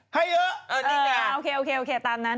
ให้เยอะโอเคตามนั้น